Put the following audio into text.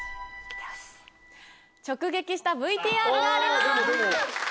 直撃したＶＴＲがあります。